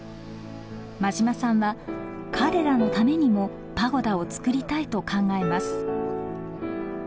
馬島さんは彼らのためにもパゴダをつくりたいと考えます。